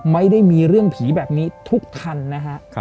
ไม่ได้มีเรื่องผีแบบนี้ทุกคันนะฮะ